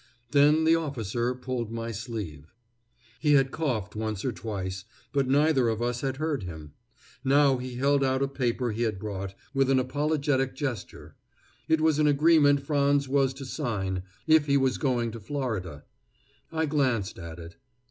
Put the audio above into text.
Then the officer pulled my sleeve. He had coughed once or twice, but neither of us had heard him. Now he held out a paper he had brought, with an apologetic gesture. It was an agreement Frands was to sign, if he was going to Florida. I glanced at it.